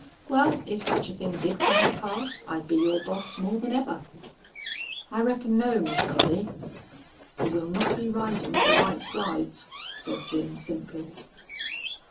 "Well, if such a thing did come to pass I'd be your boss more than ever." "I reckon no, Miss Collie, for we'll not be ridin' fer White Sides," said Jim, simply.